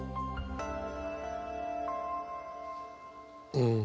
うん。